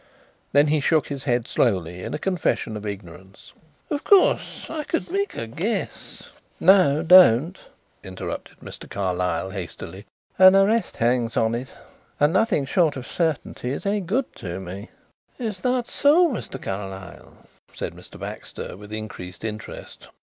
Then he shook his head slowly in a confession of ignorance. "Of course I could make a guess " "No, don't," interrupted Mr. Carlyle hastily. "An arrest hangs on it and nothing short of certainty is any good to me." "Is that so, Mr. Carlyle?" said Mr. Baxter, with increased interest.